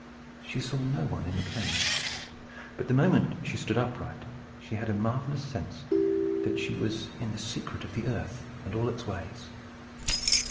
She saw no one in the cave. But the moment she stood upright she had a marvellous sense that she was in the secret of the earth and all its ways.